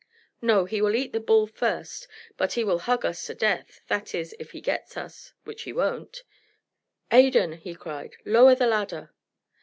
"No; he will eat the bull first; but he will hug us to death that is, if he gets us which he won't. Adan!" he cried, "lower the ladder."